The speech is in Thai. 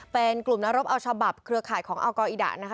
เป็นกลุ่มนรบเอาฉบับเครือข่ายของอัลกออิดะนะคะ